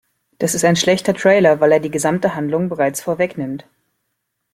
Das ist ein schlechter Trailer, weil er die gesamte Handlung bereits vorwegnimmt.